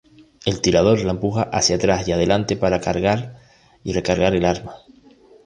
El tirador la empujaba hacia atrás y adelante para cargar y recargar el arma.